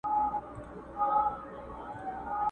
چي ستا په یاد په سپینو شپو راباندي څه تېرېږي.!